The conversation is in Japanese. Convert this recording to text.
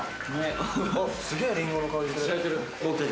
あっすげえりんごの香りする。